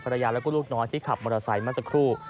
ภรรยาแล้วก็ลูกน้อยที่ขับมอเตอร์ไซค์มาสักครู่